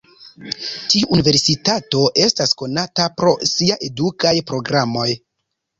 Tiu universitato estas konata pro sia edukaj programoj.